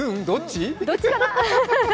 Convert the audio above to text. どっち？